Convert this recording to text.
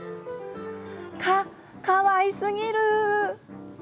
「かかわいすぎる」